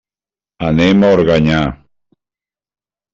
Anem a Organyà.